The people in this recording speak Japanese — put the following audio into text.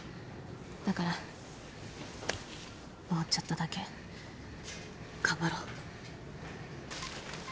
だからもうちょっとだけ頑張ろう。